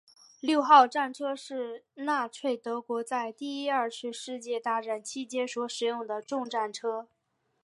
六号战车是纳粹德国在第二次世界大战期间所使用的重战车。